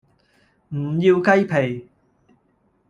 唔要雞皮